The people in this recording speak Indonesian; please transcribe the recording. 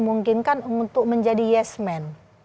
memungkinkan untuk menjadi yes man